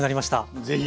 是非。